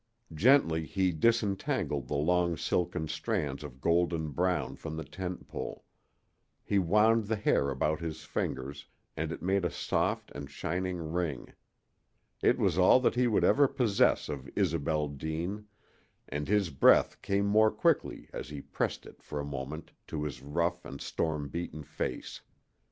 Gently he disentangled the long silken strands of golden brown from the tent pole. He wound the hair about his fingers, and it made a soft and shining ring. It was all that he would ever possess of Isobel Deane, and his breath came more quickly as he pressed it for a moment to his rough and storm beaten face.